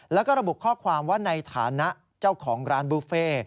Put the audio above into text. แล้วก็ระบุข้อความว่าในฐานะเจ้าของร้านบุฟเฟ่